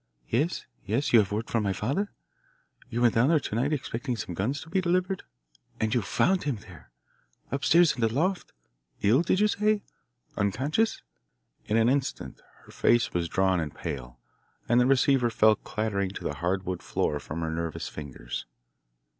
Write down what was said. Yes, yes, you have word from my father you went down there to night expecting some guns to be delivered? and you found him there up stairs in the loft ill, did you say? unconscious?" In an instant her face was drawn and pale, and the receiver fell clattering to the hard wood floor from her nerveless fingers.